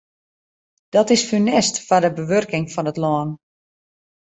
Dat is funest foar de bewurking fan it lân.